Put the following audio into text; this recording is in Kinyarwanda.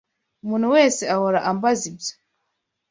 Umuntu wese ahora ambaza ibyo.